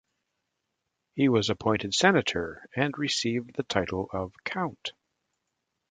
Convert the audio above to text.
He was appointed senator and received the title of count.